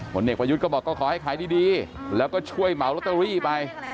เอกประยุทธ์ก็บอกก็ขอให้ขายดีแล้วก็ช่วยเหมาลอตเตอรี่ไป